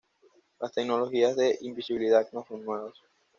Las tecnologías de invisibilidad no son nuevas.